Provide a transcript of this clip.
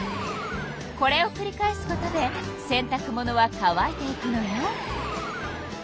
これをくり返すことで洗たく物は乾いていくのよ。